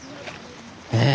ねえ。